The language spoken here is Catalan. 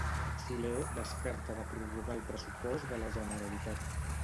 Soler descarta de prorrogar el pressupost de la Generalitat.